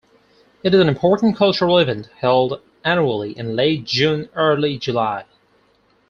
It is an important cultural event, held annually in late June-early July.